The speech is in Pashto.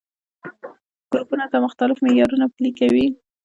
ګروپونو ته مختلف معيارونه پلي کوي.